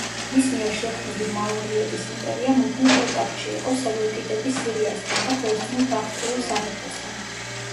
მის მიერ შექმნილი მაურიების იმპერია მუდმივ კონტაქტში იყო სელევკიდების სირიასთან და ბერძნულ-ბაქტრიულ სამეფოსთან.